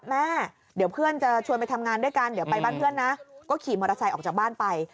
แม่เดี๋ยวเพื่อนจะชวนไปทำงานด้วยกันเดี๋ยวไปบ้านเพื่อนนะก็ขี่มอเตอร์ไซค์ออกจากบ้านไป